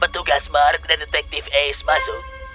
ketua kita dari detektif ace masuk